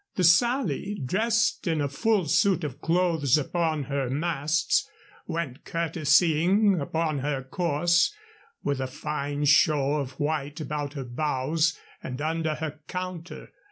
The Sally, dressed in a full suit of cloths upon both her masts, went courtesying upon her course with a fine show of white about her bows and under her counter.